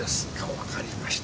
分かりました。